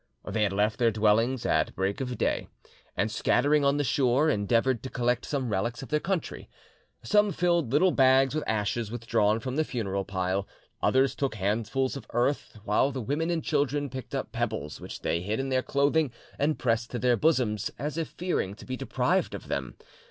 They had left their dwellings at break of day, and scattering on the shore, endeavoured to collect some relics of their country. Some filled little bags with ashes withdrawn from the funeral pile; others took handfuls of earth, while the women and children picked up pebbles which they hid in their clothing and pressed to their bosoms, as if fearing to be deprived of them.